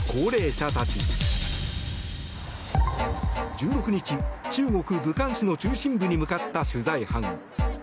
１６日、中国・武漢市の中心部に向かった取材班。